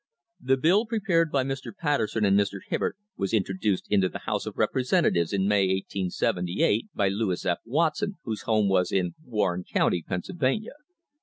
The bill prepared by Mr. Patterson and Mr. Hibbard was introduced into the House of Representatives in May, 1878, by Lewis F. Watson, whose home was in Warren County, Pennsylvania.